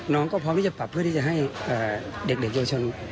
น้องก็พร้อมที่จะปรับเพื่อที่จะให้เด็กเยาวชน